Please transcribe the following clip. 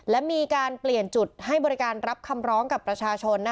และมีการเปลี่ยนจุดให้บริการรับคำร้องกับประชาชน